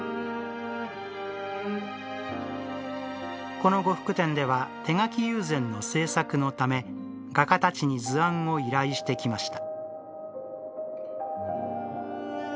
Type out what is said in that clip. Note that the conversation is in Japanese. この呉服店では手描き友禅の製作のため画家たちに図案を依頼してきました。